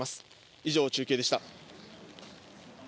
以上、中継でした。